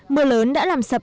mưa lớn đã làm sáng sáng